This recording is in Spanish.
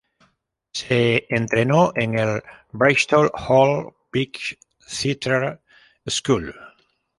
Se entrenó en el "Bristol Old Vic Theatre School".